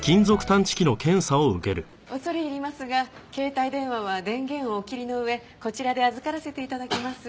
恐れ入りますが携帯電話は電源をお切りの上こちらで預からせて頂きます。